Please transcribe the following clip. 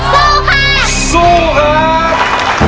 สู้ค่ะสู้ค่ะ